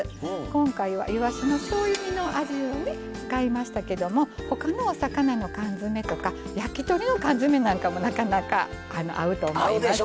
今回は、いわしのしょうゆ煮の味を使いましたけどもほかのお魚の缶詰とか焼き鳥の缶詰なんかもなかなか合うと思います。